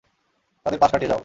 তাদের পাশ কাটিয়ে যাও।